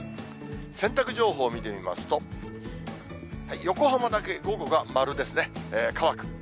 洗濯情報を見てみますと、横浜だけ午後が丸ですね。